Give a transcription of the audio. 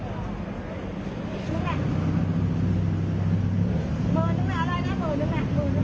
ว่าผมรู้ว่างั้นเสียงแรงพี่มีะ